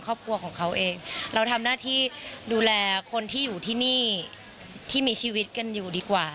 ครอบครัวของเขาเองเราทำหน้าที่ดูแลคนที่อยู่ที่นี่ที่มีชีวิตกันอยู่ดีกว่า